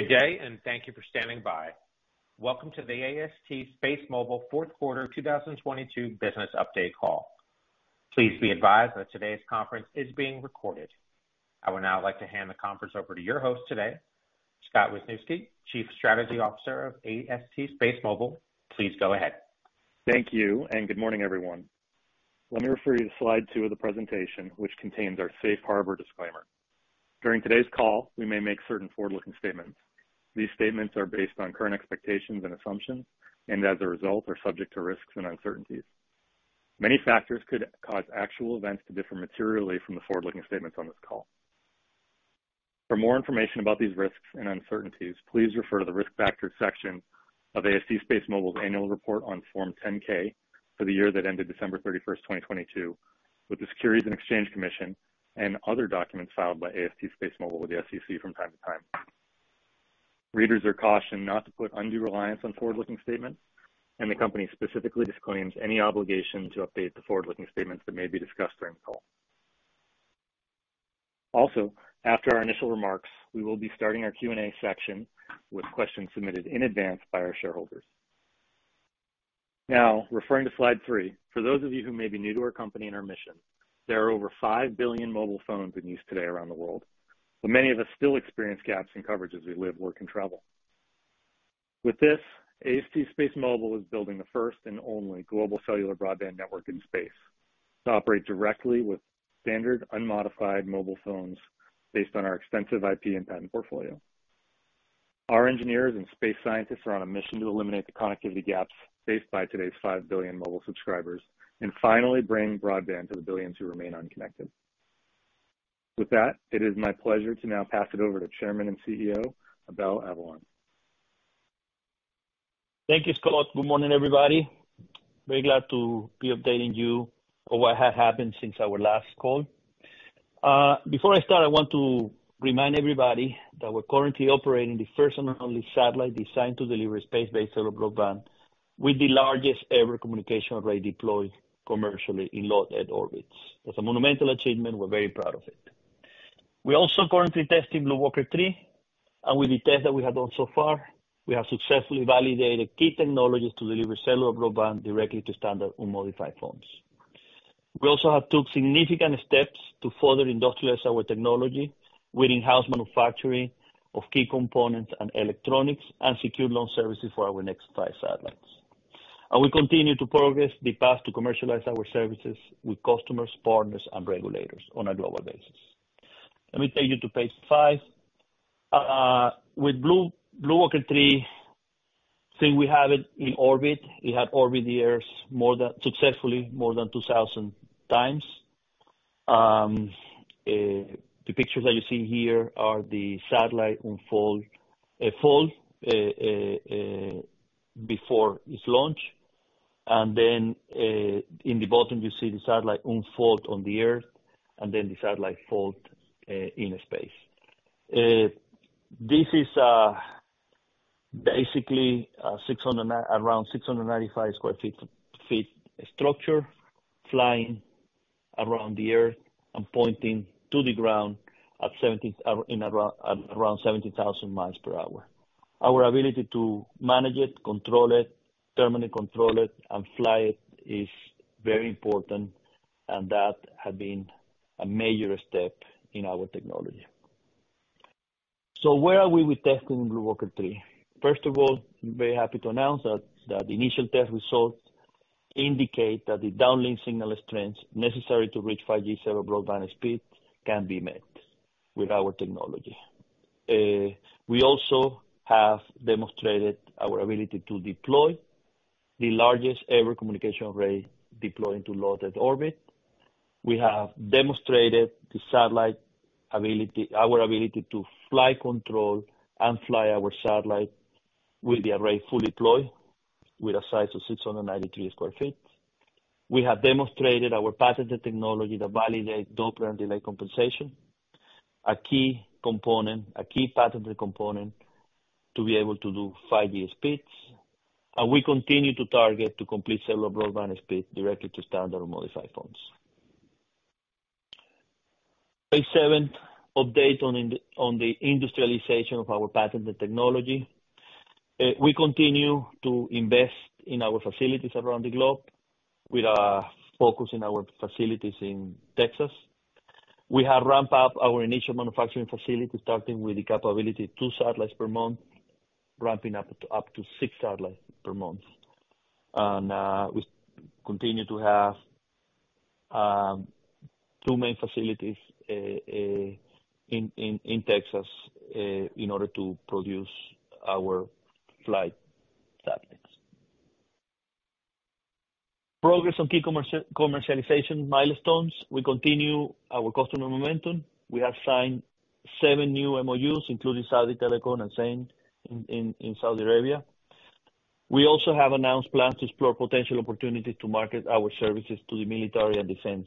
Good day, thank you for standing by. Welcome to the AST SpaceMobile Fourth Quarter 2022 Business Update call. Please be advised that today's conference is being recorded. I would now like to hand the conference over to your host today, Scott Wisniewski, Chief Strategy Officer of AST SpaceMobile. Please go ahead. Thank you and good morning, everyone. Let me refer you to slide two of the presentation, which contains our safe harbor disclaimer. During today's call, we may make certain forward-looking statements. These statements are based on current expectations and assumptions and as a result are subject to risks and uncertainties. Many factors could cause actual events to differ materially from the forward-looking statements on this call. For more information about these risks and uncertainties, please refer to the Risk Factors section of AST SpaceMobile's Annual Report on Form 10-K for the year that ended December 31st, 2022, with the Securities and Exchange Commission and other documents filed by AST SpaceMobile with the SEC from time to time. Readers are cautioned not to put undue reliance on forward-looking statements, and the company specifically disclaims any obligation to update the forward-looking statements that may be discussed during the call. Also, after our initial remarks, we will be starting our Q&A section with questions submitted in advance by our shareholders. Now, referring to slide three, for those of you who may be new to our company and our mission, there are over 5 billion mobile phones in use today around the world, but many of us still experience gaps in coverage as we live, work and travel. With this, AST SpaceMobile is building the first and only global cellular broadband network in space to operate directly with standard unmodified mobile phones based on our extensive IP and patent portfolio. Our engineers and space scientists are on a mission to eliminate the connectivity gaps faced by today's 5 billion mobile subscribers and finally bring broadband to the billions who remain unconnected. With that, it is my pleasure to now pass it over to Chairman and CEO, Abel Avellan. Thank you, Scott. Good morning, everybody. Very glad to be updating you on what has happened since our last call. Before I start, I want to remind everybody that we're currently operating the first and only satellite designed to deliver space-based cellular broadband with the largest ever communication array deployed commercially in low Earth orbit. It's a monumental achievement. We're very proud of it. We're also currently testing BlueWalker 3. With the test that we have done so far, we have successfully validated key technologies to deliver cellular broadband directly to standard unmodified phones. We also have took significant steps to further industrialize our technology with in-house manufacturing of key components and electronics and secure launch services for our next five satellites. We continue to progress the path to commercialize our services with customers, partners, and regulators on a global basis. Let me take you to page five. With BlueWalker 3, since we have it in orbit, it had orbited the Earth successfully more than 2,000 times. The pictures that you see here are the satellite unfold, fold before its launch. In the bottom you see the satellite unfold on the Earth, then the satellite fold in space. This is basically around 695 sq ft structure flying around the Earth and pointing to the ground at around 70,000 miles per hour. Our ability to manage it, control it, terminally control it and fly it is very important, and that has been a major step in our technology. Where are we with testing BlueWalker 3? First of all, I'm very happy to announce that initial test results indicate that the downlink signal strength necessary to reach 5G cellular broadband speed can be met with our technology. We also have demonstrated our ability to deploy the largest ever communication array deployed into low Earth orbit. We have demonstrated our ability to fly, control, and fly our satellite with the array fully deployed with a size of 693 sq ft. We have demonstrated our patented technology that validates Doppler and delay compensation, a key component, a key patented component to be able to do 5G speeds. We continue to target to complete cellular broadband speeds directly to standard or modified phones. Page seven. Update on the industrialization of our patented technology. We continue to invest in our facilities around the globe with our focus in our facilities in Texas. We have ramped up our initial manufacturing facility, starting with the capability of two satellites per month, ramping up to six satellites per month. We continue to have two main facilities in Texas in order to produce our flight satellites. Progress on key commercialization milestones. We continue our customer momentum. We have signed seven new MOUs, including Saudi Telecom and Zain in Saudi Arabia. We also have announced plans to explore potential opportunities to market our services to the military and defense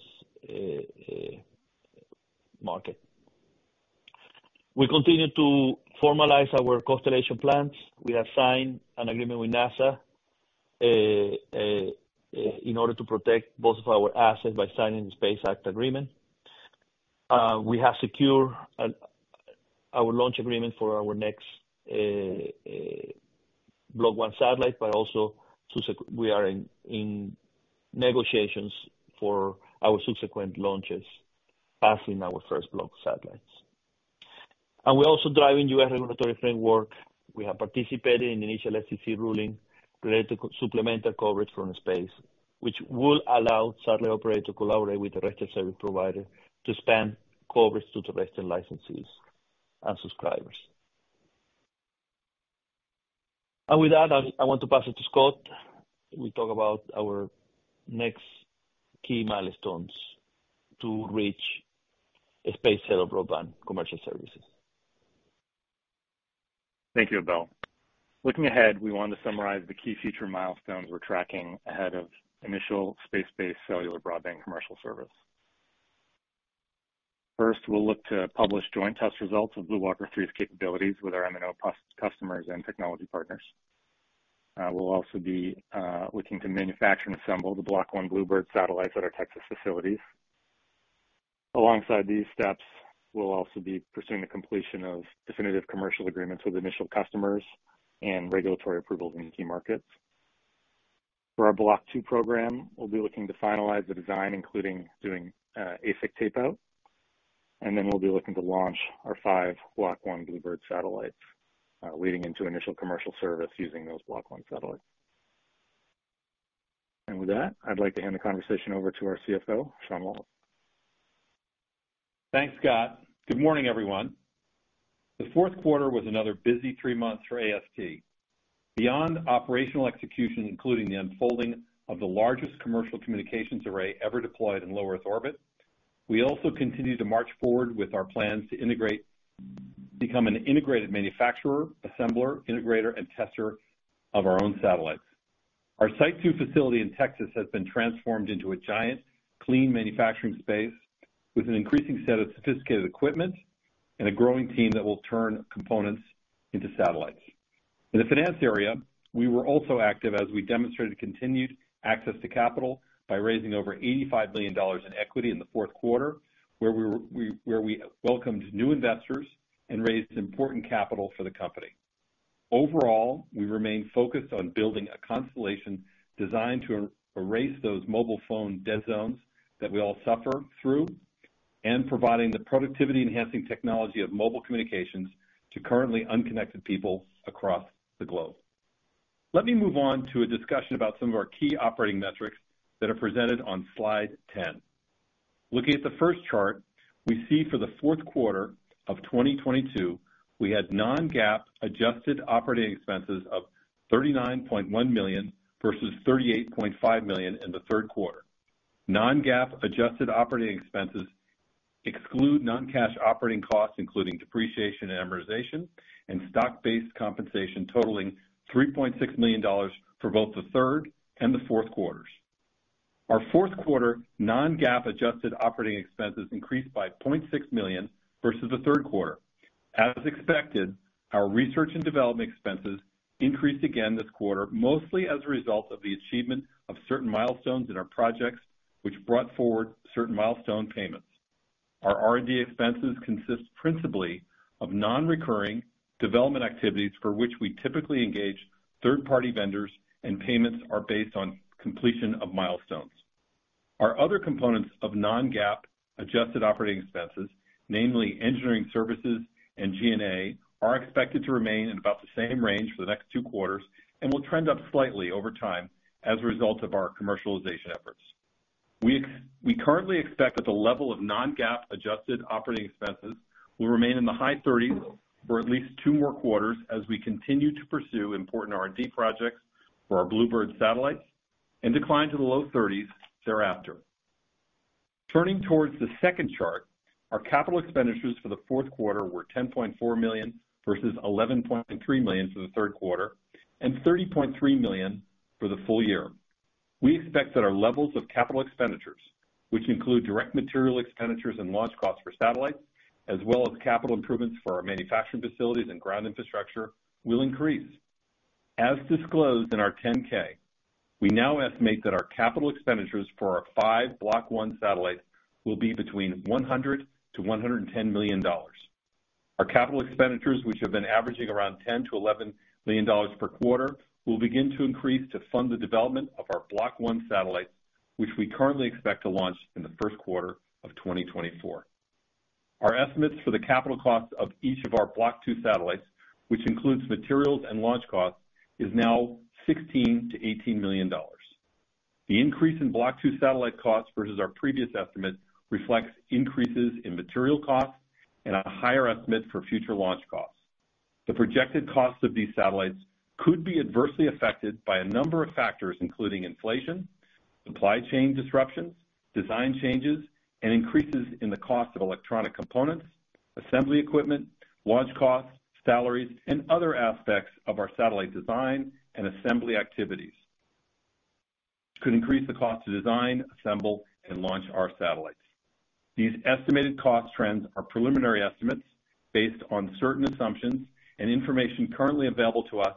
market. We continue to formalize our constellation plans. We have signed an agreement with NASA. In order to protect both of our assets by signing the Space Act Agreement, we have secured our launch agreement for our next Block 1 satellite, but also we are in negotiations for our subsequent launches after our first Block satellites. We're also driving U.S. regulatory framework. We have participated in the initial FCC ruling related to Supplemental Coverage from Space, which will allow satellite operator to collaborate with terrestrial service provider to expand coverage to terrestrial licensees and subscribers. With that, I want to pass it to Scott. He'll talk about our next key milestones to reach a space-based cellular broadband commercial services. Thank you, Abel. Looking ahead, we want to summarize the key future milestones we're tracking ahead of initial space-based cellular broadband commercial service. First, we'll look to publish joint test results of BlueWalker 3's capabilities with our MNO customers and technology partners. We'll also be looking to manufacture and assemble the Block 1 BlueBird satellites at our Texas facilities. Alongside these steps, we'll also be pursuing the completion of definitive commercial agreements with initial customers and regulatory approvals in key markets. For our Block 2 program, we'll be looking to finalize the design, including doing ASIC tape-out, and then we'll be looking to launch our five Block 1 BlueBird satellites leading into initial commercial service using those Block 1 satellites. I'd like to hand the conversation over to our CFO, Sean Wallace. Thanks, Scott. Good morning, everyone. The fourth quarter was another busy three months for AST. Beyond operational execution, including the unfolding of the largest commercial communications array ever deployed in low Earth orbit, we also continue to march forward with our plans to become an integrated manufacturer, assembler, integrator, and tester of our own satellites. Our Site Two facility in Texas has been transformed into a giant clean manufacturing space with an increasing set of sophisticated equipment and a growing team that will turn components into satellites. The finance area, we were also active as we demonstrated continued access to capital by raising over $85 million in equity in the fourth quarter, where we welcomed new investors and raised important capital for the company. We remain focused on building a constellation designed to erase those mobile phone dead zones that we all suffer through, and providing the productivity-enhancing technology of mobile communications to currently unconnected people across the globe. Let me move on to a discussion about some of our key operating metrics that are presented on slide 10. Looking at the first chart, we see for the fourth quarter of 2022, we had non-GAAP adjusted operating expenses of $39.1 million versus $38.5 million in the third quarter. Non-GAAP adjusted operating expenses exclude non-cash operating costs, including depreciation and amortization and stock-based compensation totaling $3.6 million for both the third and the fourth quarters. Our fourth quarter non-GAAP adjusted operating expenses increased by $0.6 million versus the third quarter. As expected, our research and development expenses increased again this quarter, mostly as a result of the achievement of certain milestones in our projects, which brought forward certain milestone payments. Our R&D expenses consist principally of non-recurring development activities for which we typically engage third-party vendors, and payments are based on completion of milestones. Our other components of non-GAAP adjusted operating expenses, namely engineering services and G&A, are expected to remain in about the same range for the next two quarters and will trend up slightly over time as a result of our commercialization efforts. We currently expect that the level of non-GAAP adjusted operating expenses will remain in the high 30s for at least two more quarters as we continue to pursue important R&D projects for our BlueBird satellites and decline to the low 30s thereafter. Turning towards the second chart, our capital expenditures for the fourth quarter were $10.4 million versus $11.3 million for the third quarter and $30.3 million for the full year. We expect that our levels of capital expenditures, which include direct material expenditures and launch costs for satellites, as well as capital improvements for our manufacturing facilities and ground infrastructure, will increase. As disclosed in our 10-K, we now estimate that our capital expenditures for our five Block 1 satellites will be between $100 million-$110 million. Our capital expenditures, which have been averaging around $10 million-$11 million per quarter, will begin to increase to fund the development of our Block 1 satellites, which we currently expect to launch in the first quarter of 2024. Our estimates for the capital cost of each of our Block 2 satellites, which includes materials and launch costs, is now $16 million-$18 million. The increase in Block 2 satellite costs versus our previous estimate reflects increases in material costs and a higher estimate for future launch costs. The projected cost of these satellites could be adversely affected by a number of factors, including inflation, supply chain disruptions, design changes, and increases in the cost of electronic components, assembly equipment, launch costs, salaries, and other aspects of our satellite design and assembly activities. Could increase the cost to design, assemble, and launch our satellites. These estimated cost trends are preliminary estimates based on certain assumptions and information currently available to us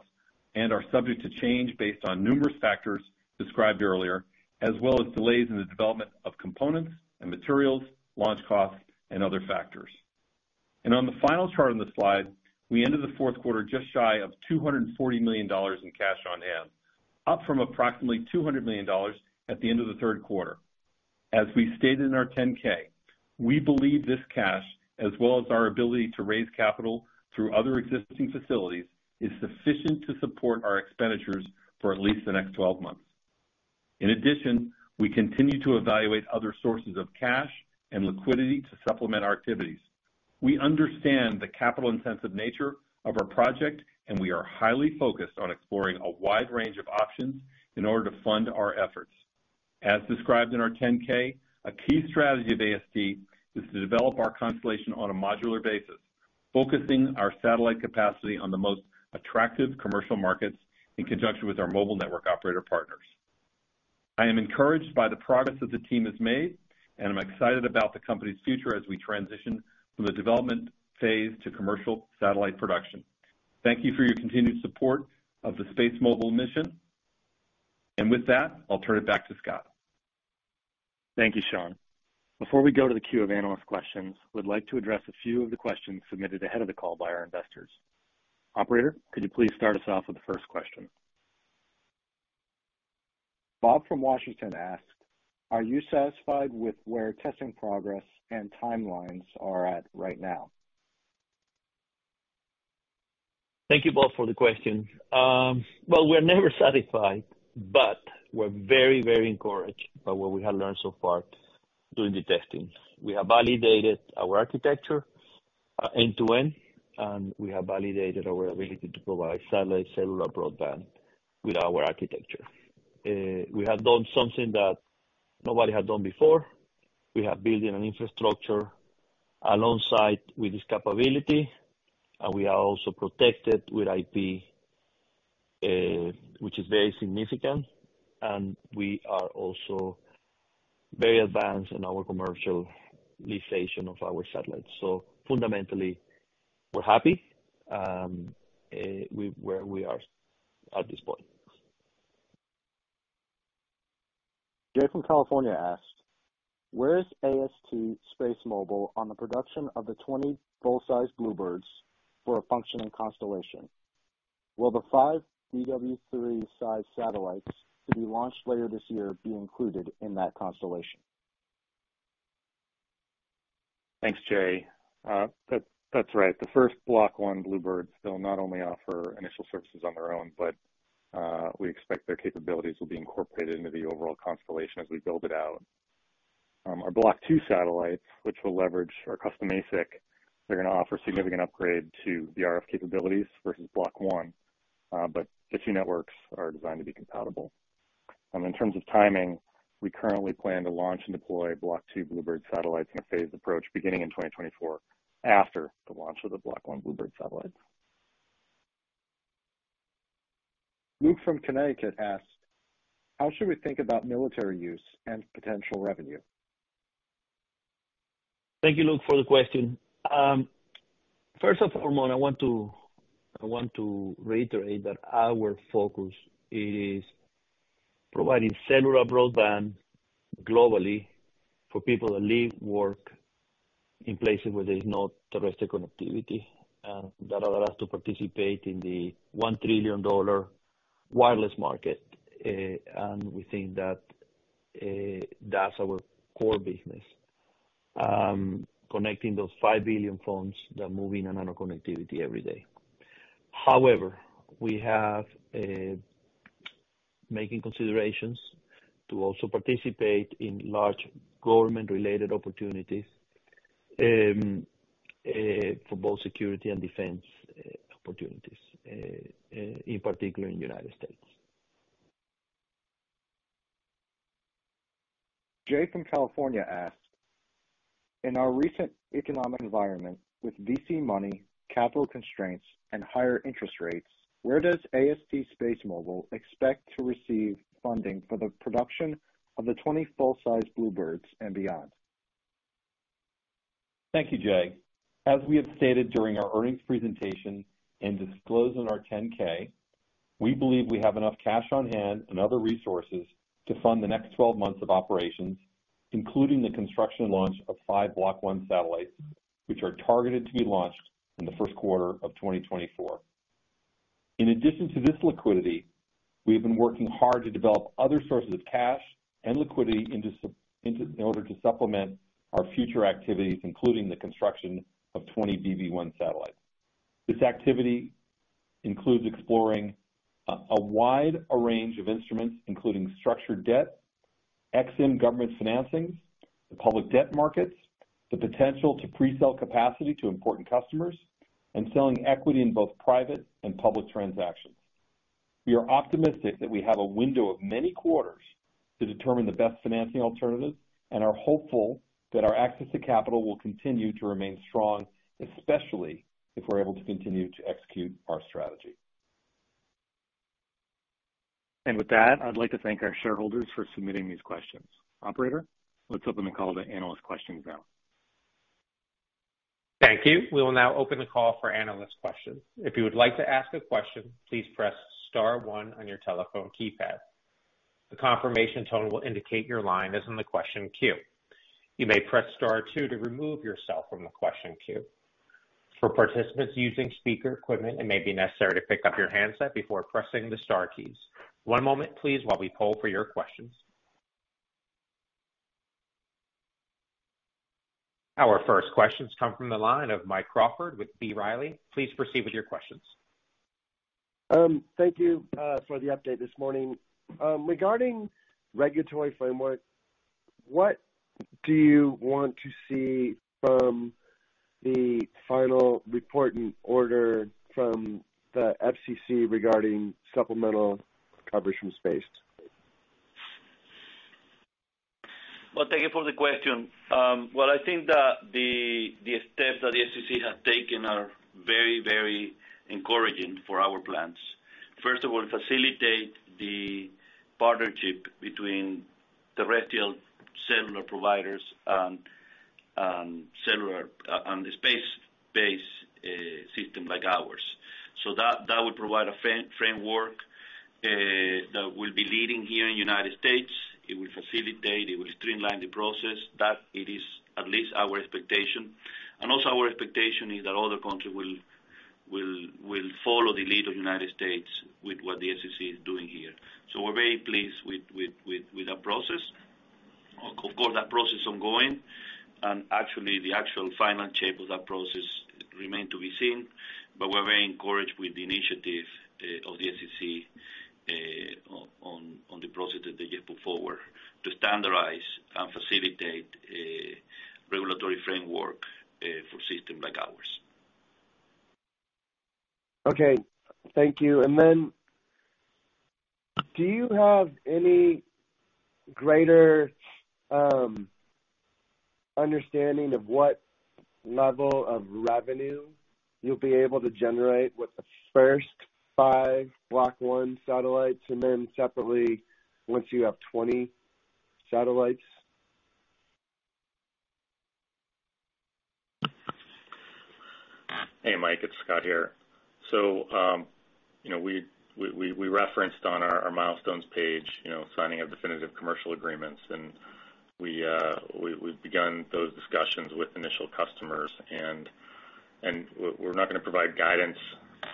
and are subject to change based on numerous factors described earlier, as well as delays in the development of components and materials, launch costs, and other factors. On the final chart on the slide, we ended the fourth quarter just shy of $240 million in cash on hand, up from approximately $200 million at the end of the third quarter. As we stated in our 10-K, we believe this cash, as well as our ability to raise capital through other existing facilities, is sufficient to support our expenditures for at least the next 12 months. In addition, we continue to evaluate other sources of cash and liquidity to supplement our activities. We understand the capital-intensive nature of our project, and we are highly focused on exploring a wide range of options in order to fund our efforts. As described in our 10-K, a key strategy of AST is to develop our constellation on a modular basis, focusing our satellite capacity on the most attractive commercial markets in conjunction with our mobile network operator partners. I am encouraged by the progress that the team has made, and I'm excited about the company's future as we transition from the development phase to commercial satellite production. Thank you for your continued support of the SpaceMobile mission. With that, I'll turn it back to Scott. Thank you, Sean. Before we go to the queue of analyst questions, we'd like to address a few of the questions submitted ahead of the call by our investors. Operator, could you please start us off with the first question? Bob from Washington asked, "Are you satisfied with where testing progress and timelines are at right now? Thank you, Bob, for the question. Well, we're never satisfied, but we're very, very encouraged by what we have learned so far during the testing. We have validated our architecture end-to-end, and we have validated our ability to provide satellite cellular broadband with our architecture. We have done something that nobody had done before. We have built an infrastructure alongside with this capability. We are also protected with IP, which is very significant. We are also very advanced in our commercialization of our satellites. Fundamentally, we're happy where we are at this point. Jay from California asked, "Where is AST SpaceMobile on the production of the 20 full-size BlueBirds for a functioning constellation? Will the five BW-3-sized satellites to be launched later this year be included in that constellation? Thanks, Jay. That's right. The first Block 1 BlueBirds will not only offer initial services on their own, but we expect their capabilities will be incorporated into the overall constellation as we build it out. Our Block 2 satellites, which will leverage our custom ASIC, they're gonna offer significant upgrade to the RF capabilities versus Block 1. The two networks are designed to be compatible. In terms of timing, we currently plan to launch and deploy Block 2 BlueBird satellites in a phased approach beginning in 2024 after the launch of the Block 1 BlueBird satellites. Luke from Connecticut asked, "How should we think about military use and potential revenue? Thank you, Luke, for the question. First and foremost, I want to reiterate that our focus is providing cellular broadband globally for people that live, work in places where there's no terrestrial connectivity, and that allows us to participate in the $1 trillion wireless market. We think that's our core business, connecting those 5 billion phones that are moving around on connectivity every day. However, we have making considerations to also participate in large government-related opportunities, for both security and defense opportunities, in particular in United States. Jay from California asked, "In our recent economic environment with VC money, capital constraints, and higher interest rates, where does AST SpaceMobile expect to receive funding for the production of the 20 full-size BlueBirds and beyond? Thank you, Jay. As we have stated during our earnings presentation and disclosed in our 10-K, we believe we have enough cash on hand and other resources to fund the next 12 months of operations, including the construction and launch of five Block 1 satellites, which are targeted to be launched in the first quarter of 2024. In addition to this liquidity, we have been working hard to develop other sources of cash and liquidity in order to supplement our future activities, including the construction of 20 BB1 satellites. This activity includes exploring a wide range of instruments, including structured debt, Ex-Im government financings, the public debt markets, the potential to pre-sell capacity to important customers, and selling equity in both private and public transactions. We are optimistic that we have a window of many quarters to determine the best financing alternatives and are hopeful that our access to capital will continue to remain strong, especially if we're able to continue to execute our strategy. With that, I'd like to thank our shareholders for submitting these questions. Operator, let's open the call to analyst questions now. Thank you. We will now open the call for analyst questions. If you would like to ask a question, please press star one on your telephone keypad. The confirmation tone will indicate your line is in the question queue. You may press star two to remove yourself from the question queue. For participants using speaker equipment, it may be necessary to pick up your handset before pressing the star keys. One moment please, while we poll for your questions. Our first questions come from the line of Mike Crawford with B. Riley. Please proceed with your questions. Thank you for the update this morning. Regarding regulatory framework, what do you want to see from the final report and order from the FCC regarding Supplemental Coverage from Space? Well, thank you for the question. Well, I think that the steps that the FCC has taken are very, very encouraging for our plans. First of all, facilitate the partnership between the retail cellular providers and cellular on the space base system like ours. That, that would provide a framework that will be leading here in the United States. It will facilitate, it will streamline the process that it is at least our expectation. Also, our expectation is that other countries will follow the lead of United States with what the FCC is doing here. We're very pleased with that process. Of course, that process ongoing and actually the actual final shape of that process remain to be seen. we're very encouraged with the initiative of the FCC on the process that they put forward to standardize and facilitate a regulatory framework for system like ours. Okay. Thank you. Do you have any greater understanding of what level of revenue you'll be able to generate with the first five Block 1 satellites, and then separately once you have 20 satellites? Hey, Mike, it's Scott here. you know, we referenced on our milestones page, you know, signing of definitive commercial agreements. we've begun those discussions with initial customers. we're not gonna provide guidance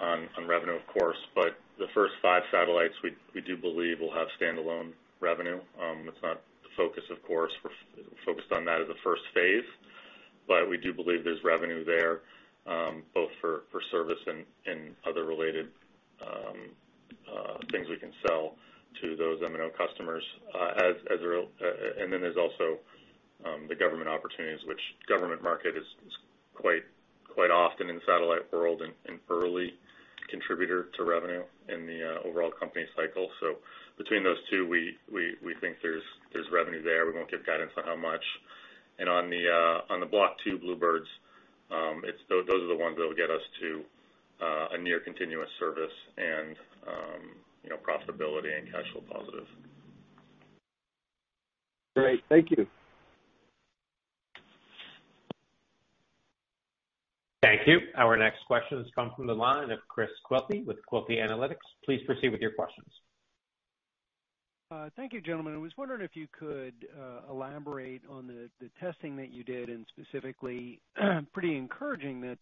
on revenue, of course. The first five satellites, we do believe will have standalone revenue. It's not the focus of course. We're focused on that as a first phase. We do believe there's revenue there, both for service and other related things we can sell to those MNO customers, as they're, and then there's also the government opportunities. Which government market is quite often in the satellite world an early contributor to revenue in the overall company cycle. Between those two, we think there's revenue there. We won't give guidance on how much. On the on the Block 2 BlueBirds, it's, those are the ones that'll get us to a near continuous service and, you know, profitability and cash flow positive. Great. Thank you. Thank you. Our next question comes from the line of Chris Quilty with Quilty Analytics. Please proceed with your questions. Thank you, gentlemen. I was wondering if you could elaborate on the testing that you did, and specifically pretty encouraging that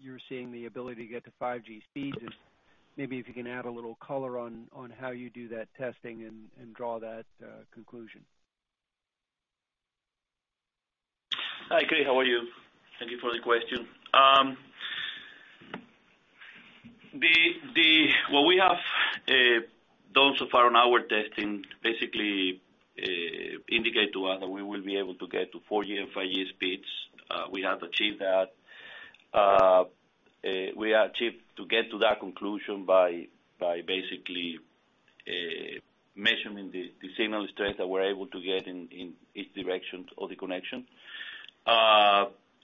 you're seeing the ability to get to 5G speeds. Just maybe if you can add a little color on how you do that testing and draw that conclusion. Hi, Chris, how are you? Thank you for the question. What we have done so far on our testing indicate to us that we will be able to get to 4G and 5G speeds. We have achieved that. We achieved to get to that conclusion by measuring the signal strength that we're able to get each direction of the connection.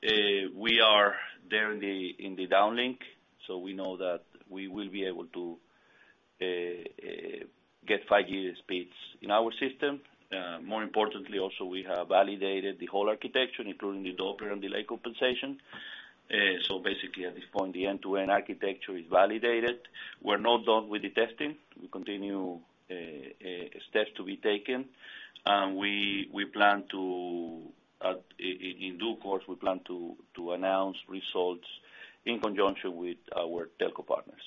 We are there downlink, so we know that we will be able to get 5G speeds in our system. More importantly, also, we have validated the whole architecture, including the Doppler and delay compensation. At this point, the end-to-end architecture is validated. We're not done with the testing. We continue steps to be taken. we plan to, in due course, we plan to announce results in conjunction with our telco partners.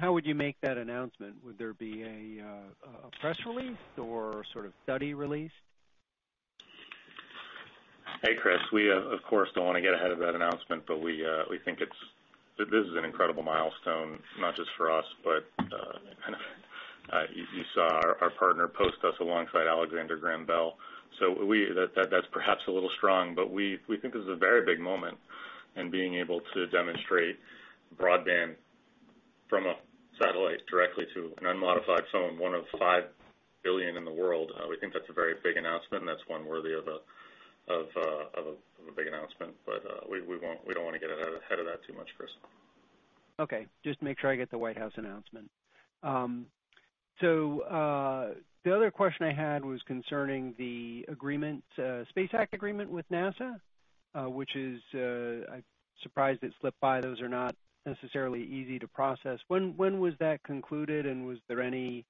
How would you make that announcement? Would there be a press release or sort of study release? Hey, Chris. We, of course, don't wanna get ahead of that announcement, but we think it's, this is an incredible milestone, not just for us, but you saw our partner post us alongside Alexander Graham Bell. That's perhaps a little strong, but we think this is a very big moment in being able to demonstrate broadband from a satellite directly to an unmodified phone, one of 5 billion in the world. We think that's a very big announcement. That's one worthy of a big announcement. We don't wanna get ahead of that too much, Chris. Okay. Just make sure I get the White House announcement. The other question I had was concerning the agreement, Space Act Agreement with NASA, which is, I'm surprised it slipped by. Those are not necessarily easy to process. When was that concluded, and was there any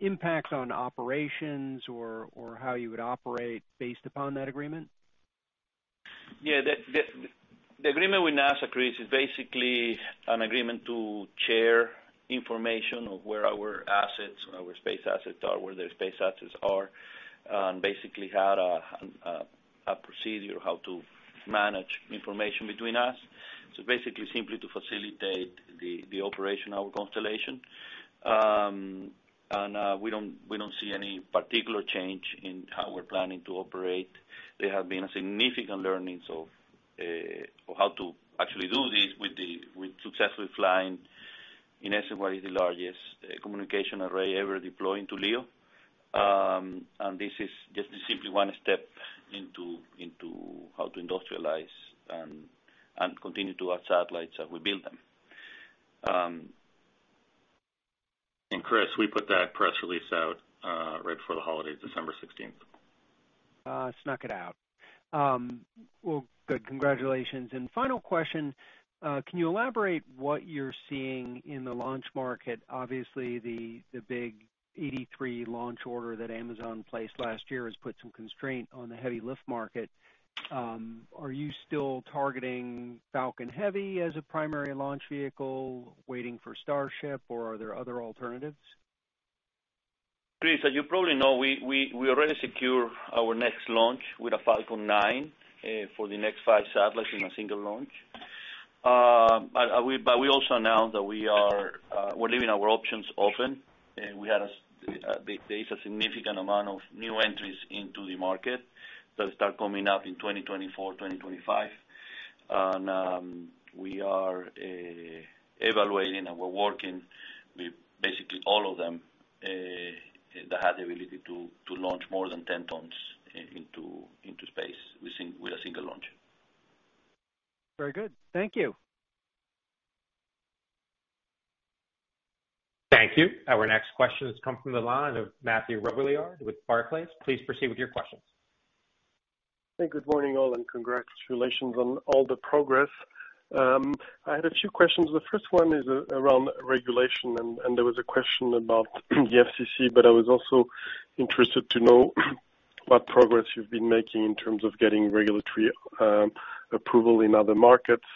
impacts on operations or how you would operate based upon that agreement? The agreement with NASA, Chris, is basically an agreement to share information of where our assets, our space assets are, where their space assets are. Basically how to manage information between us. Basically simply to facilitate the operation of our constellation. We don't see any particular change in how we're planning to operate. There have been significant learnings of how to actually do this with successfully flying, in essence, what is the largest communication array ever deployed into LEO. This is just simply one step into how to industrialize and continue to add satellites as we build them. Chris, we put that press release out, right before the holidays, December 16th. Snuck it out. Well, good. Congratulations. Final question, can you elaborate what you're seeing in the launch market? Obviously, the big 83 launch order that Amazon placed last year has put some constraint on the heavy lift market. Are you still targeting Falcon Heavy as a primary launch vehicle waiting for Starship, or are there other alternatives? Chris, as you probably know, we already secure our next launch with a Falcon 9 for the next five satellites in a single launch. We also announced that we are we're leaving our options open. There is a significant amount of new entries into the market that start coming up in 2024, 2025. We are evaluating and we're working with basically all of them that have the ability to launch more than 10 tons into space with a single launch. Very good. Thank you. Thank you. Our next question has come from the line of Mathieu Robilliard with Barclays. Please proceed with your questions. Good morning, all, and congratulations on all the progress. I had a few questions. The first one is around regulation, and there was a question about the FCC, but I was also interested to know what progress you've been making in terms of getting regulatory approval in other markets.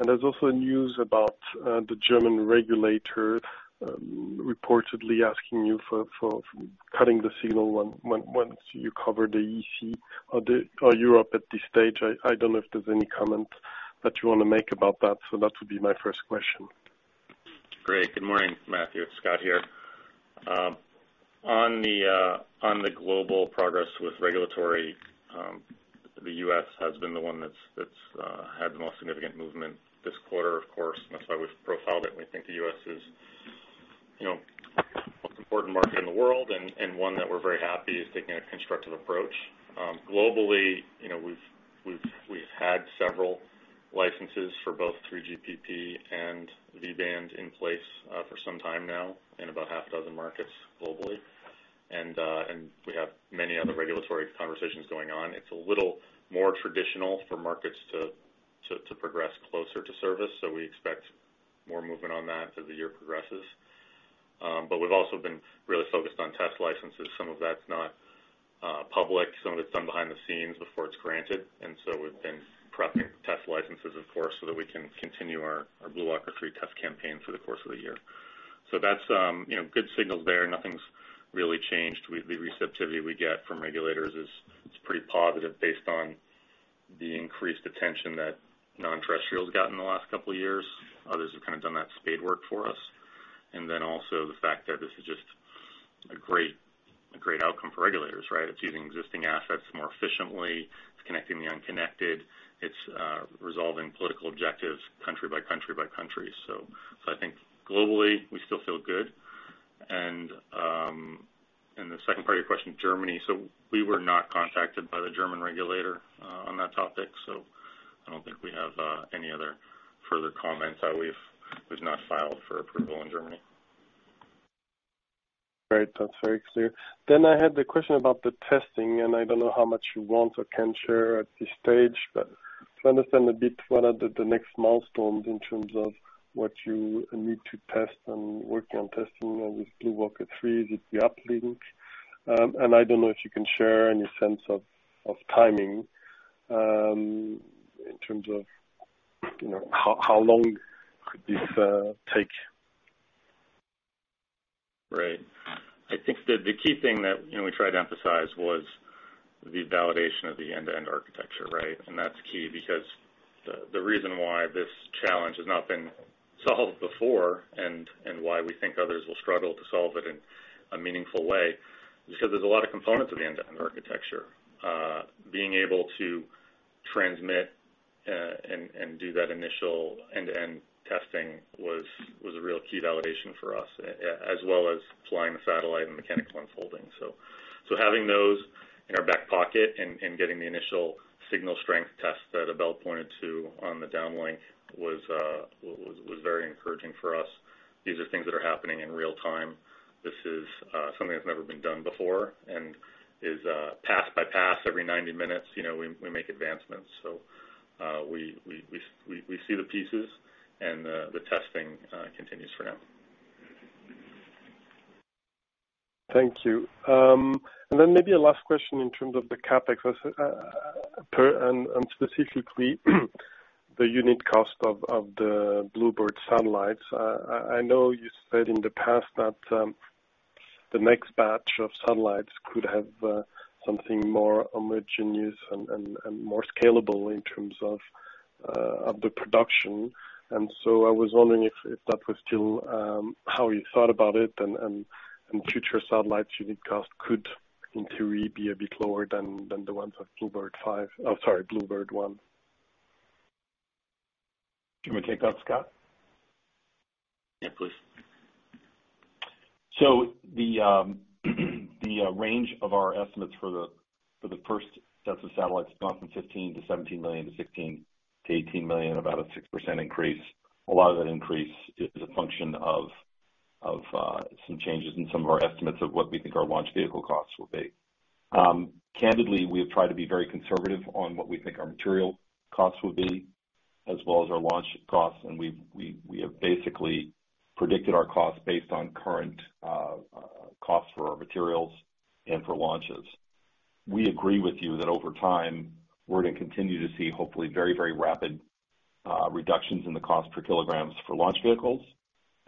There's also news about the German regulator reportedly asking you for cutting the signal once you cover the EC or Europe at this stage. I don't know if there's any comment that you want to make about that. That would be my first question. Great. Good morning, Mathieu. Scott here. On the global progress with regulatory, the U.S. has been the one that's had the most significant movement this quarter. Of course, that's why we've profiled it, we think the U.S. is, you know, most important market in the world and one that we're very happy is taking a constructive approach. Globally, you know, we've had several licenses for both 3GPP and V-band in place for some time now in about six markets globally. We have many other regulatory conversations going on. It's a little more traditional for markets to progress closer to service, so we expect more movement on that as the year progresses. We've also been really focused on test licenses. Some of that's not public. Some of it's done behind the scenes before it's granted, we've been prepping test licenses, of course, so that we can continue our BlueWalker 3 test campaign through the course of the year. That's, you know, good signals there. Nothing's really changed. The receptivity we get from regulators is, it's pretty positive based on the increased attention that non-terrestrial has gotten the last couple of years. Others have kind of done that spade work for us. The fact that this is just a great outcome for regulators, right? It's using existing assets more efficiently. It's connecting the unconnected. It's resolving political objectives country by country by country. I think globally we still feel good. The second part of your question, Germany. We were not contacted by the German regulator on that topic, so I don't think we have any other further comments that we've not filed for approval in Germany. Great. That's very clear. I had the question about the testing, I don't know how much you want or can share at this stage, but to understand a bit what are the next milestones in terms of what you need to test and working on testing with BlueWalker 3 with the uplink. I don't know if you can share any sense of timing, in terms of, you know, how long could this take? Right. I think the key thing that, you know, we try to emphasize was the validation of the end-to-end architecture, right? That's key because the reason why this challenge has not been solved before and why we think others will struggle to solve it in a meaningful way is because there's a lot of components of end-to-end architecture. Being able to transmit and do that initial end-to-end testing was a real key validation for us as well as flying the satellite and mechanical unfolding. Having those in our back pocket and getting the initial signal strength test that Abel pointed to on the downlink was very encouraging for us. These are things that are happening in real time. This is something that's never been done before and is pass by pass every 90 minutes, you know, we make advancements. We see the pieces and the testing continues for now. Thank you. Maybe a last question in terms of the CapEx per and specifically the unit cost of the BlueBird satellites. I know you said in the past that the next batch of satellites could have something more homogeneous and more scalable in terms of the production. I was wondering if that was still how you thought about it and future satellites unit cost could in theory be a bit lower than the ones of BlueBird 5... Oh, sorry, BlueBird 1. Do you want to take that, Scott? Yeah, please. The range of our estimates for the, for the first sets of satellites went from $15 million-$17 million to $16 million-$18 million, about a 6% increase. A lot of that increase is a function of some changes in some of our estimates of what we think our launch vehicle costs will be. Candidly, we have tried to be very conservative on what we think our material costs will be, as well as our launch costs. We've basically predicted our costs based on current costs for our materials and for launches. We agree with you that over time, we're gonna continue to see hopefully very, very rapid reductions in the cost per kilograms for launch vehicles,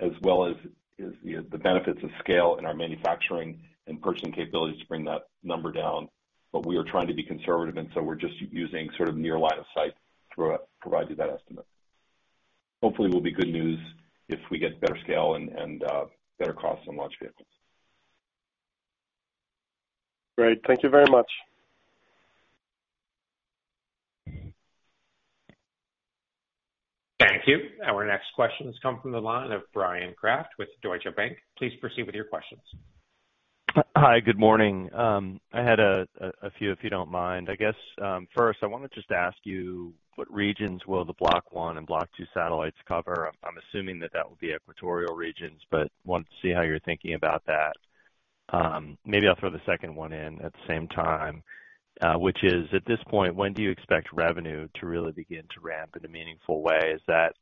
as well as the benefits of scale in our manufacturing and purchasing capabilities to bring that number down. We are trying to be conservative, and so we're just using sort of near line of sight to provide you that estimate. Hopefully, will be good news if we get better scale and better costs on launch vehicles. Great. Thank you very much. Thank you. Our next question has come from the line of Bryan Kraft with Deutsche Bank. Please proceed with your questions. Hi, good morning. I had a few, if you don't mind. I guess, first, I wanna just ask you what regions will the Block 1 and Block 2 satellites cover? I'm assuming that will be equatorial regions, but wanted to see how you're thinking about that. Maybe I'll throw the second one in at the same time, which is, at this point, when do you expect revenue to really begin to ramp in a meaningful way? Is that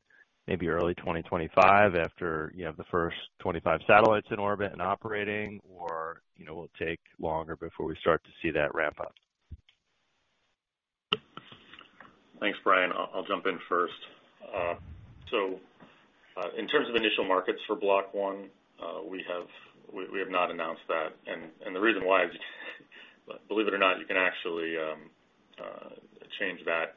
maybe early 2025 after, you know, the first 25 satellites in orbit and operating, or, you know, will it take longer before we start to see that ramp up? Thanks, Bryan. I'll jump in first. In terms of initial markets for Block 1, we have not announced that. The reason why is believe it or not, you can actually change that,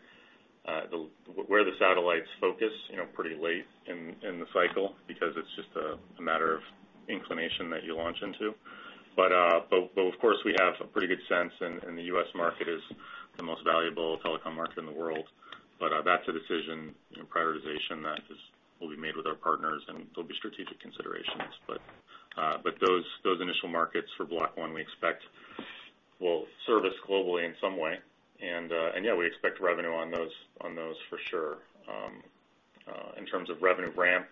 the, where the satellites focus, you know, pretty late in the cycle because it's just a matter of inclination that you launch into. Of course, we have a pretty good sense and the U.S. market is the most valuable telecom market in the world. That's a decision and prioritization that is, will be made with our partners, and there'll be strategic considerations. Those initial markets for Block 1 we expect will service globally in some way. Yeah, we expect revenue on those for sure. In terms of revenue ramp,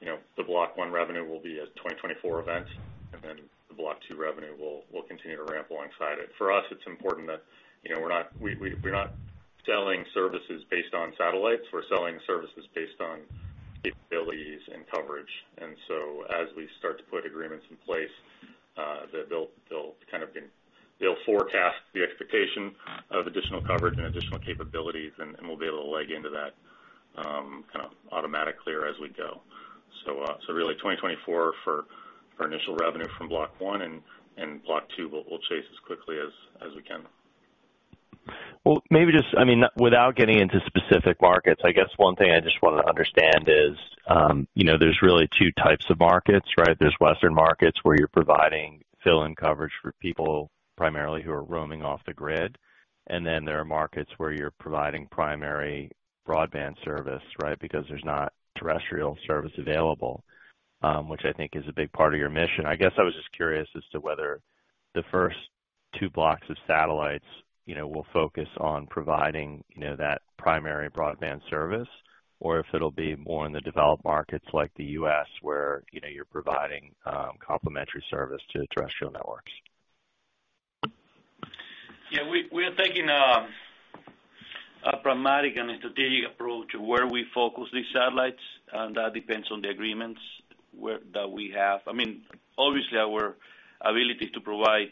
you know, the Block 1 revenue will be a 2024 event, and then the Block 2 revenue will continue to ramp alongside it. For us, it's important that, you know, we're not selling services based on satellites. We're selling services based on capabilities and coverage. As we start to put agreements in place, they'll kind of they'll forecast the expectation of additional coverage and additional capabilities, and we'll be able to leg into that kind of automatically or as we go. Really, 2024 for initial revenue from Block 1, and Block 2, we'll chase as quickly as we can. Well, maybe just, I mean, without getting into specific markets, I guess one thing I just wanted to understand is, you know, there's really two types of markets, right? There's Western markets where you're providing fill-in coverage for people primarily who are roaming off the grid. Then there are markets where you're providing primary broadband service, right? Because there's not terrestrial service available, which I think is a big part of your mission. I guess I was just curious as to whether the first two blocks of satellites, you know, will focus on providing, you know, that primary broadband service, or if it'll be more in the developed markets like the U.S., where, you know, you're providing, complimentary service to terrestrial networks. Yeah. We are taking a pragmatic and a strategic approach where we focus these satellites, and that depends on the agreements that we have. I mean, obviously, our ability to provide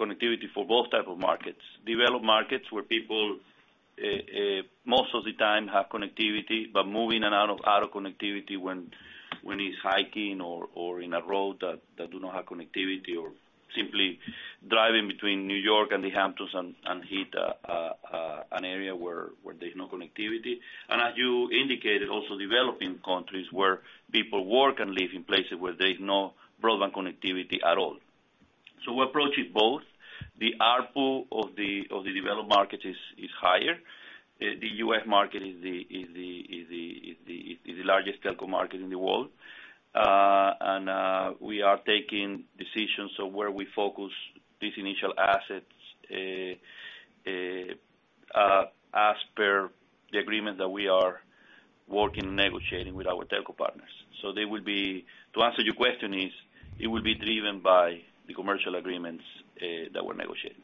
connectivity for both type of markets. Developed markets, where people most of the time have connectivity, but moving in and out of connectivity when it's hiking or in a road that do not have connectivity or simply driving between New York and the Hamptons and hit where there's no connectivity. As you indicated, also developing countries where people work and live in places where there's no broadband connectivity at all. We approach it both. The ARPU of the developed market is higher. The U.S. market is the largest telco market in the world. We are taking decisions on where we focus these initial assets as per the agreement that we are working, negotiating with our telco partners. To answer your question, it will be driven by the commercial agreements that we're negotiating.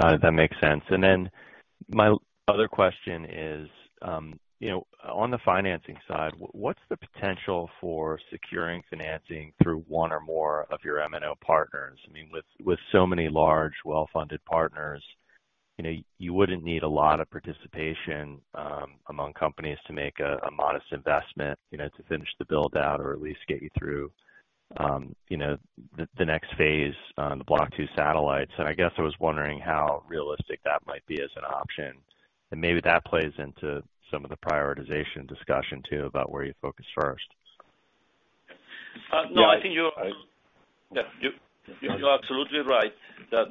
Got it. That makes sense. My other question is, you know, on the financing side, what's the potential for securing financing through one or more of your MNO partners? I mean, with so many large, well-funded partners, you know, you wouldn't need a lot of participation, among companies to make a modest investment, you know, to finish the build-out or at least get you through, you know, the next phase on the Block 2 satellites. I guess I was wondering how realistic that might be as an option. Maybe that plays into some of the prioritization discussion too, about where you focus first. No, I think. I- Yeah. You're absolutely right. That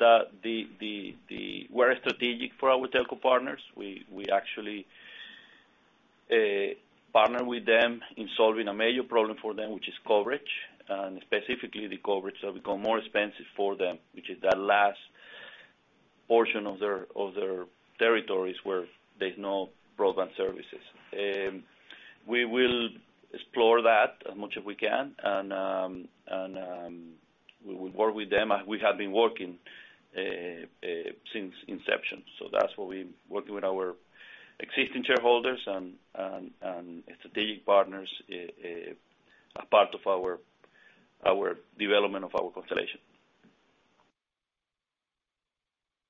the we're strategic for our telco partners. We actually partner with them in solving a major problem for them, which is coverage, and specifically the coverage that become more expensive for them, which is that last portion of their territories where there's no broadband services. We will explore that as much as we can, and we will work with them as we have been working since inception. That's what we working with our existing shareholders and strategic partners as part of our development of our constellation.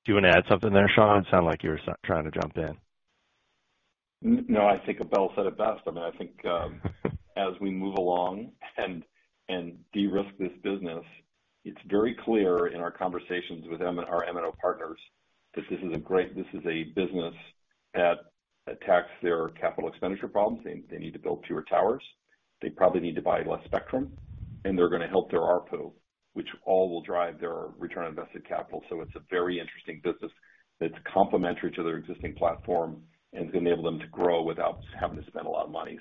Do you want to add something there, Sean? It sounded like you were trying to jump in. No, I think Abel said it best. I mean, I think as we move along and de-risk this business, it's very clear in our conversations with our MNO partners that this is a business that attacks their capital expenditure problems. They need to build fewer towers. They probably need to buy less spectrum, and they're gonna help their ARPU, which all will drive their return on invested capital. It's a very interesting business that's complementary to their existing platform and is gonna enable them to grow without having to spend a lot of money.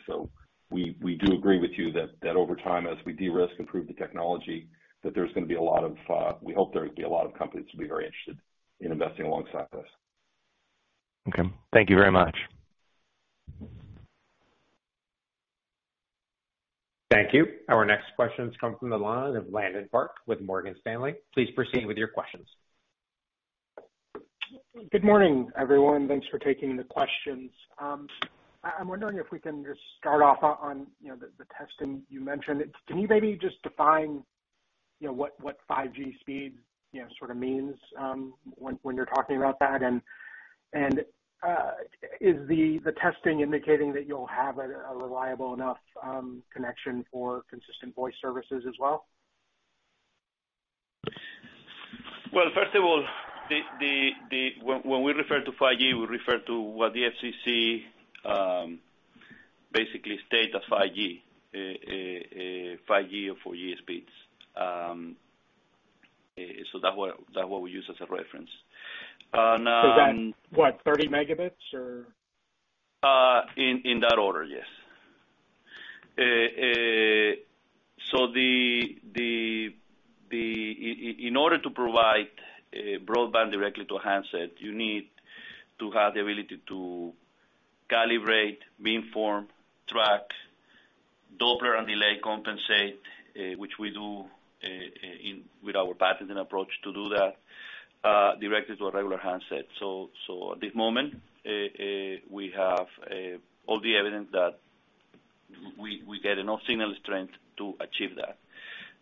We do agree with you that over time, as we de-risk and prove the technology, that there's gonna be a lot of, we hope there will be a lot of companies that will be very interested in investing alongside us. Okay. Thank you very much. Thank you. Our next question comes from the line of Landon Park with Morgan Stanley. Please proceed with your questions. Good morning, everyone. Thanks for taking the questions. I'm wondering if we can just start off on, you know, the testing you mentioned. Can you maybe just define, you know, what 5G speed, you know, sort of means, when you're talking about that? Is the testing indicating that you'll have a reliable enough connection for consistent voice services as well? Well, first of all, when we refer to 5G, we refer to what the FCC basically state as 5G. 5G or 4G speeds. So that what we use as a reference. Is that, what, 30 Mbps or? In that order, yes. In order to provide broadband directly to a handset, you need to have the ability to calibrate, beamform, track, Doppler and delay compensate, which we do with our patented approach to do that directly to a regular handset. At this moment, we have all the evidence that we get enough signal strength to achieve that.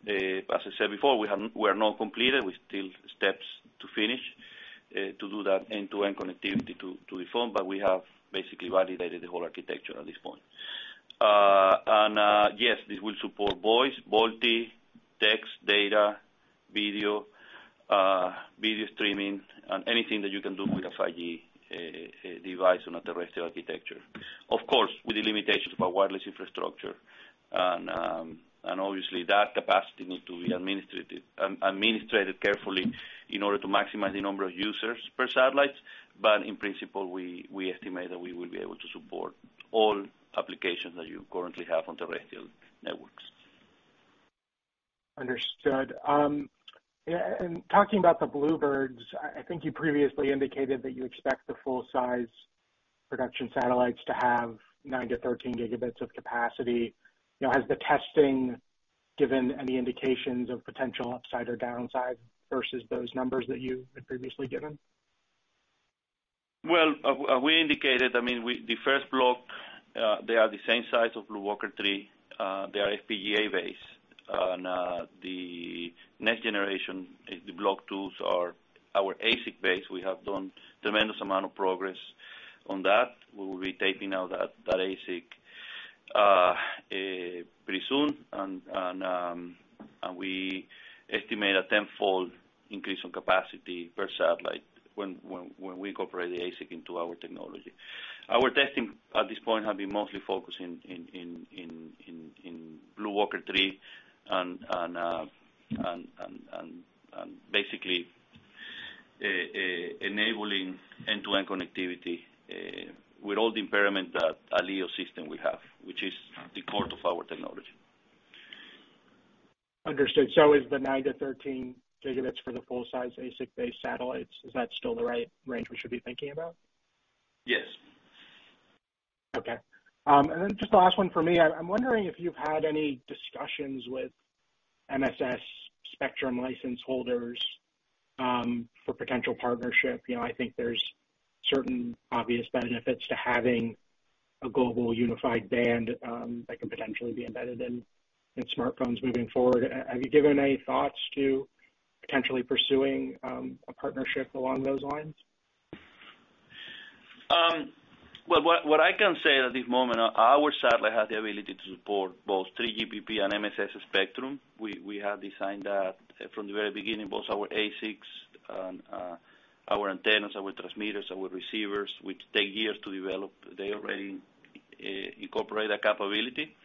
But as I said before, we are not completed. We still steps to finish to do that end-to-end connectivity to reform, but we have basically validated the whole architecture at this point. And yes, this will support voice, multi, text, data, video streaming and anything that you can do with a 5G device on a terrestrial architecture. Of course, with the limitations of our wireless infrastructure and obviously, that capacity need to be administrated carefully in order to maximize the number of users per satellites. In principle, we estimate that we will be able to support all applications that you currently have on terrestrial networks. Understood. Yeah, talking about the BlueBirds, I think you previously indicated that you expect the full size production satellites to have 9-13 Gb of capacity. You know, has the testing given any indications of potential upside or downside versus those numbers that you had previously given? Well, I mean, the first Block 1, they are the same size of BlueWalker 3. They are FPGAs. The next generation, the Block 2s are our ASIC base. We have done tremendous amount of progress on that. We will be taping out that ASIC pretty soon, and we estimate a tenfold increase in capacity per satellite when we incorporate the ASIC into our technology. Our testing at this point have been mostly focused in BlueWalker 3 and basically enabling end-to-end connectivity with all the impairment that a LEO system will have, which is the core of our technology. Understood. Is the 9-13 Gb for the full size ASIC-based satellites, is that still the right range we should be thinking about? Yes. Just the last one for me. I'm wondering if you've had any discussions with MSS spectrum license holders for potential partnership. You know, I think there's certain obvious benefits to having a global unified band that can potentially be embedded in smartphones moving forward. Have you given any thoughts to potentially pursuing a partnership along those lines? Well, what I can say at this moment, our satellite has the ability to support both 3GPP and MSS spectrum. We have designed that from the very beginning. Both our ASICs and our antennas, our transmitters, our receivers, which take years to develop, they already incorporate that capability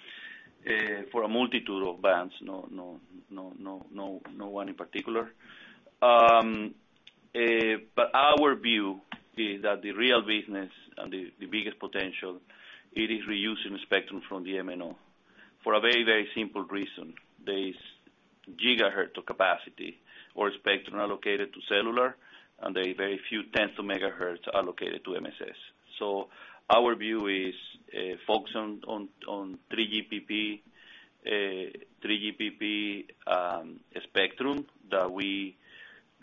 for a multitude of bands. No one in particular. Our view is that the real business and the biggest potential, it is reusing spectrum from the MNO for a very, very simple reason. There is gigahertz of capacity or spectrum allocated to cellular, and a very few tens of megahertz allocated to MSS. Our view is focused on 3GPP spectrum that we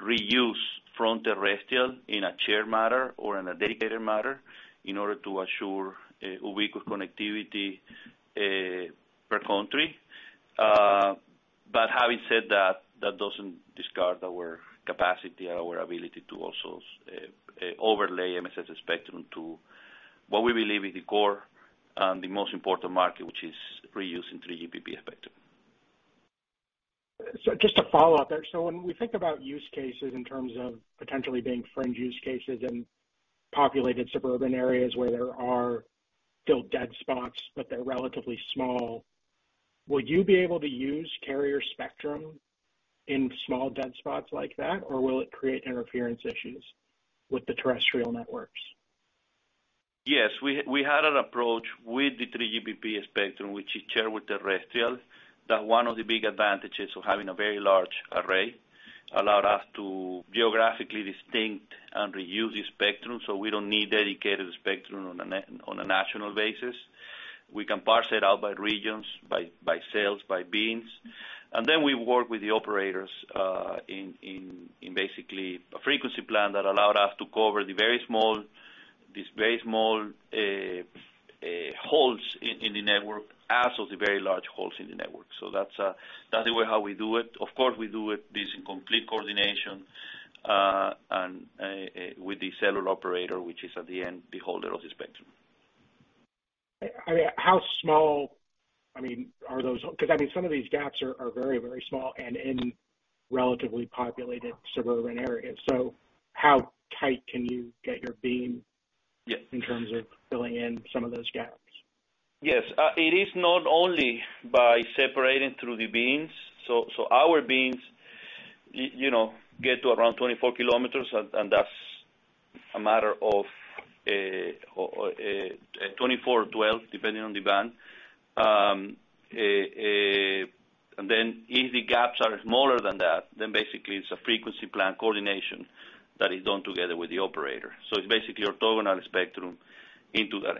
reuse from terrestrial in a shared matter or in a dedicated matter in order to assure a week of connectivity per country. Having said that doesn't discard our capacity or our ability to also overlay MSS spectrum to what we believe is the core and the most important market, which is reusing 3GPP spectrum. Just to follow up there. When we think about use cases in terms of potentially being fringe use cases in populated suburban areas where there are still dead spots, but they're relatively small, would you be able to use carrier spectrum in small dead spots like that, or will it create interference issues with the terrestrial networks? Yes. We had an approach with the 3GPP spectrum, which is shared with terrestrial. That one of the big advantages of having a very large array allowed us to geographically distinct and reuse the spectrum, so we don't need dedicated spectrum on a national basis. We can parse it out by regions, by cells, by beams. Then we work with the operators in basically a frequency plan that allowed us to cover the very small, these very small holes in the network, as well as the very large holes in the network. That's the way how we do it. Of course, we do it this in complete coordination and with the cellular operator, which is at the end the holder of the spectrum. I mean, how small, I mean, are those? I mean, some of these gaps are very small and in relatively populated suburban areas. How tight can you get your beam-? Yes. in terms of filling in some of those gaps? Yes. It is not only by separating through the beams. Our beams you know, get to around 24 kilometers, and that's a matter of 24 or 12, depending on the band. And then if the gaps are smaller than that, then basically it's a frequency plan coordination that is done together with the operator. It's basically orthogonal spectrum into those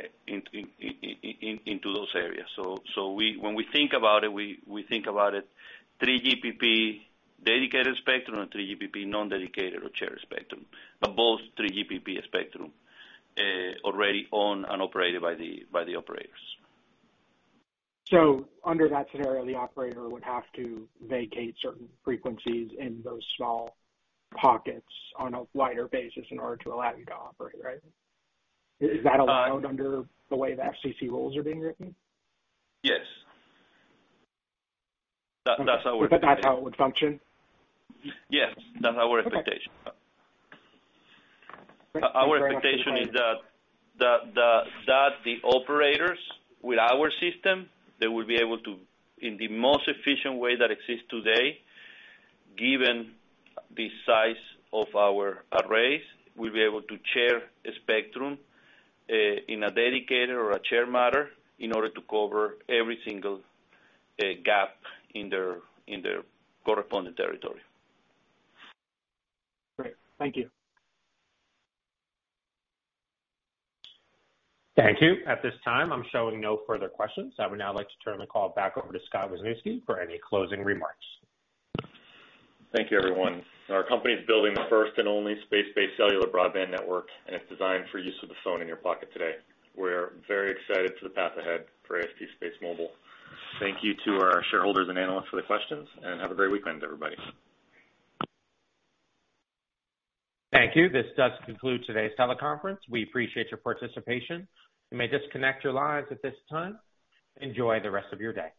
areas. When we think about it, we think about it 3GPP dedicated spectrum and 3GPP non-dedicated or shared spectrum. Both 3GPP spectrum, already owned and operated by the operators. Under that scenario, the operator would have to vacate certain frequencies in those small pockets on a wider basis in order to allow you to operate, right? Is that allowed under the way the FCC rules are being written? Yes. That's our expectation. Is that how it would function? Yes. That's our expectation. Okay. Our expectation is that the operators with our system, they will be able to, in the most efficient way that exists today, given the size of our arrays, we'll be able to share a spectrum, in a dedicated or a shared matter in order to cover every single gap in their correspondent territory. Great. Thank you. Thank you. At this time, I'm showing no further questions. I would now like to turn the call back over to Scott Wisniewski for any closing remarks. Thank you, everyone. Our company is building the first and only space-based cellular broadband network. It's designed for use with the phone in your pocket today. We're very excited for the path ahead for AST SpaceMobile. Thank you to our shareholders and analysts for the questions. Have a great weekend, everybody. Thank you. This does conclude today's teleconference. We appreciate your participation. You may disconnect your lines at this time. Enjoy the rest of your day.